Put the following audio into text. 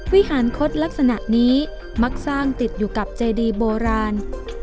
วิหารคดลักษณะนี้มักสร้างติดอยู่กับเจดีโบราณ